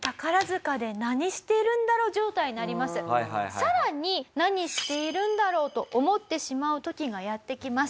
さらに何しているんだろうと思ってしまう時がやってきます。